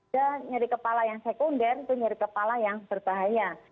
dan nyeri kepala yang sekunder itu nyeri kepala yang berbahaya